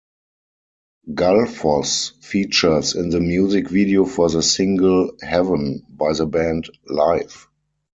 Gullfoss features in the music video for the single "Heaven" by the band Live.